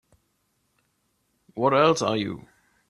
What else are you?